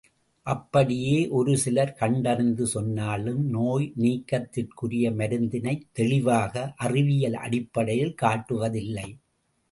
அப்படியே ஒரு சிலர் கண்டறிந்து சொன்னாலும் நோய் நீக்கத்திற்குரிய மருந்தினைத் தெளிவாக, அறிவியல் அடிப்படையில் காட்டுவதில்லை.